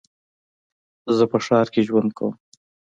زه په ښار کې ژوند کوم.